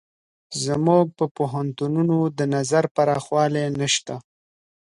زموږ په پوهنتونونو د نظر پراخوالی نشته.